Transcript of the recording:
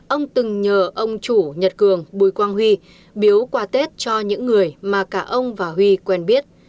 ông từng nhờ ông chủ nhật cường bùi quang huy biếu qua tết cho những người mà cả ông và huy quen biết